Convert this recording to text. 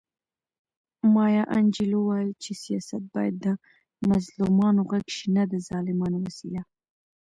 مایا انجیلو وایي چې سیاست باید د مظلومانو غږ شي نه د ظالمانو وسیله.